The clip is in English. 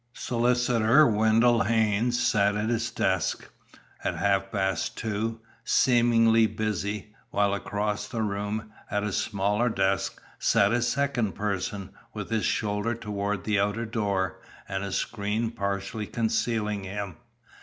Solicitor Wendell Haynes sat at his desk, at half past two, seemingly busy, while across the room, at a smaller desk, sat a second person, with his shoulder toward the outer door, and a screen partially concealing him.